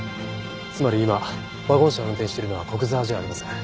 つまり今ワゴン車を運転しているのは古久沢じゃありません。